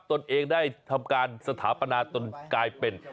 ตนเองได้ทำการสถาปนาตนกลายเป็น